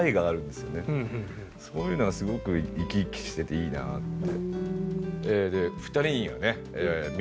そういうのがすごく生き生きしてていいなって。